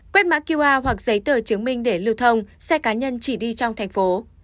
quét mã qr hoặc giấy tờ chứng minh để lưu thông xe cá nhân chỉ đi trong thành phố